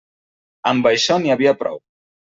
Amb això n'hi havia prou.